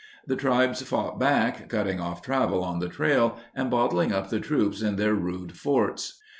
The tribes fought back, cutting off travel on the trail and bottling up the troops in their rude forts.